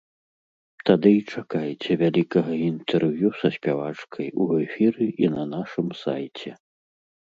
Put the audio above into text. Тады і чакайце вялікага інтэрв'ю са спявачкай у эфіры і на нашым сайце.